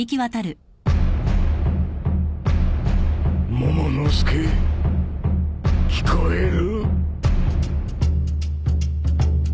モモの助聞こえる！